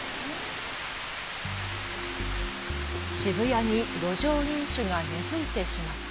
渋谷に路上飲酒が根づいてしまった。